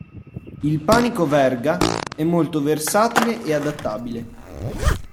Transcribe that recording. Il panico verga è molto versatile e adattabile.